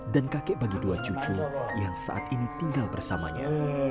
dan kakek bagi dua cucu yang saat ini tinggal bersamanya